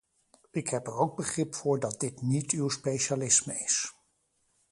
Ik heb er ook begrip voor dat dit niet uw specialisme is.